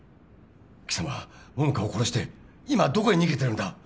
貴様桃花を殺して今どこへ逃げてるんだ？